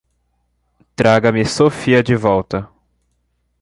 Traga-me Sophia de volta.